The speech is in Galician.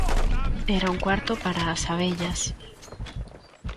Era un cuarto para as abellas.